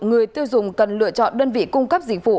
người tiêu dùng cần lựa chọn đơn vị cung cấp dịch vụ